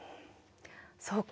そうか。